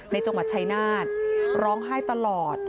ในจังหวัดชายนาฏร้องไห้ตลอด